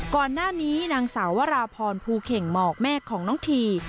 ก่อนหน้านี้นางสาววราพรภูเข่งหมอกแม่ของน้องที